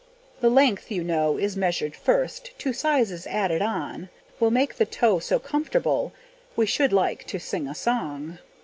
The length, you know, is measured first; Two sizes added on Will make the toe so comfortable, We should like to sing a song.